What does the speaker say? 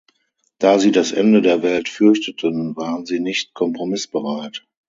Da sie das Ende der Welt fürchteten, waren sie nicht kompromissbereit.